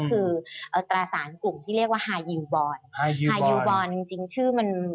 คือตราสารกลุ่มที่เรียกว่าฮายีวบอร์น